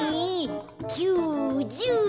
９１０。